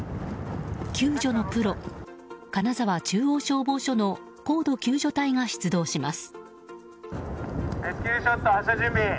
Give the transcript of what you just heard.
救助のプロ、金沢中央消防署の高度救助隊が出動します。